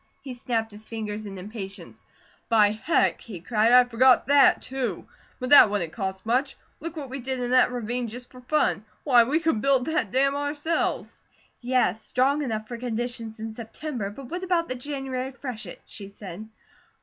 He snapped his fingers in impatience. "By heck!" he cried, "I forgot THAT, too! But that wouldn't cost much. Look what we did in that ravine just for fun. Why, we could build that dam ourselves!" "Yes, strong enough for conditions in September, but what about the January freshet?" she said.